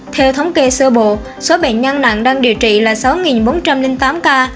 theo thống kê sơ bộ số bệnh nhân nặng đang điều trị là sáu bốn trăm linh tám ca